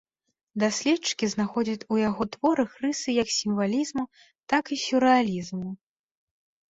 Даследчыкі знаходзяць у яго творах рысы як сімвалізму, так і сюррэалізму.